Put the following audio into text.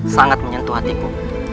sangat menyentuh hatiku